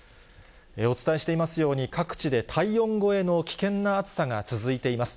お伝えしていますように、各地で体温超えの危険な暑さが続いています。